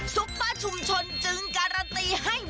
ซุปเปอร์ชุมชนจึงการันตีให้